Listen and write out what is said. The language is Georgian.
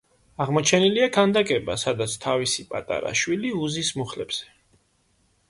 აღმოჩენილია ქანდაკება, სადაც თავისი პატარა შვილი უზის მუხლებზე.